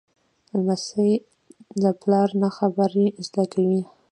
لمسی له پلار نه خبرې زده کوي.